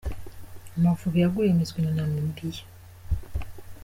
Amavubi yaguye miswi na Namibiya